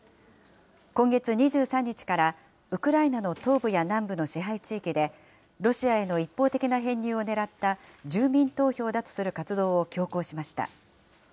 今月２３日から、ウクライナの東部や南部の支配地域で、ロシアへの一方的な編入を狙った住民投票だとする活動を強行しました。